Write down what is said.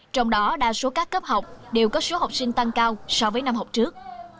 trong đó đa số các cấp học đều có số học sinh tăng cao so với năm học trước